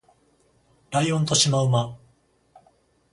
ライオンとシマウマ